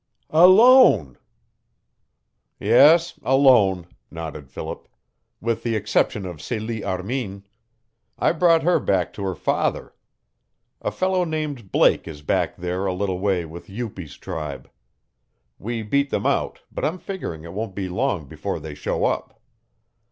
"Alone!" "Yes, alone," nodded Philip. "With the exception of Celie Armin. I brought her back to her father. A fellow named Blake is back there a little way with Upi's tribe. We beat them out, but I'm figuring it won't be long before they show up."